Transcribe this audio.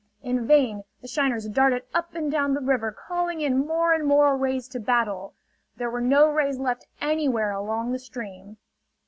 In vain the shiners darted up and down the river calling in more and more rays to battle. There were no rays left anywhere along the stream.